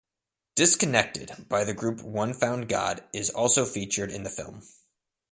"Disconnected" by the group one Found God is also featured in the film.